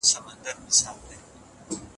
د رب په نوم ليکنه پيل کړه.